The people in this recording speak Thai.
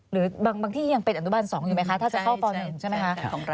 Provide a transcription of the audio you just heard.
หรือบางที่ยังเป็นอนุบัน๒อยู่ไหมคะถ้าจะเข้าป๑ใช่ไหมคะ